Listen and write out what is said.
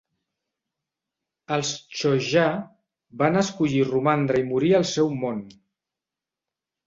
Els Cho'ja van escollir romandre i morir al seu mon.